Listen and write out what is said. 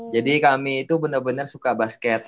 jadi kami itu bener bener suka basket